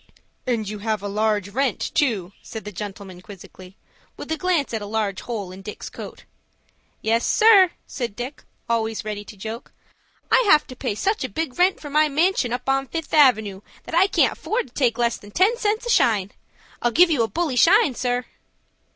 "And you have a large rent too," said the gentleman quizzically, with a glance at a large hole in Dick's coat. "Yes, sir," said Dick, always ready to joke; "I have to pay such a big rent for my manshun up on Fifth Avenoo, that I can't afford to take less than ten cents a shine. I'll give you a bully shine, sir."